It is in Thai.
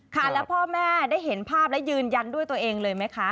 ค่ะแล้วพ่อแม่ได้เห็นภาพและยืนยันด้วยตัวเองเลยไหมคะ